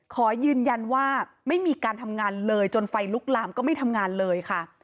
ขอยืนยันว่าไม่มีการทำงานเลยจนไฟลุกลามก็ไม่ทำงานเลยค่ะ